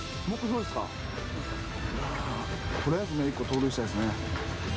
いやー、とりあえず１個盗塁したいですね。